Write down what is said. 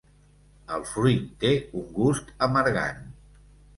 El fruit té un gust amargant.